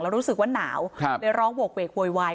แล้วรู้สึกว่าหนาวไปร้องโหกเวกโวยวาย